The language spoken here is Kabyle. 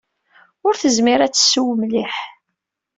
Ur tezmir ad tesseww mliḥ.